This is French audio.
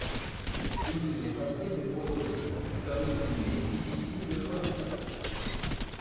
Il vous est facile de proposer, comme il m’est difficile de choisir.